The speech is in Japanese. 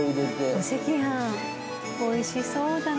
お赤飯美味しそうだな。